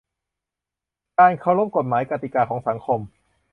การเคารพกฎหมายกติกาของสังคม